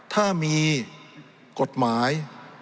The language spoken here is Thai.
ถ้ามีกฎหมาย